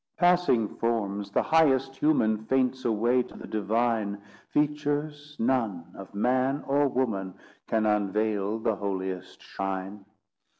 Passing forms, the highest Human Faints away to the Divine Features none, of man or woman, Can unveil the holiest shine.